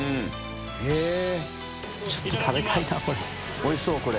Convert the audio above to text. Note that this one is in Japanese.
おいしそうこれ。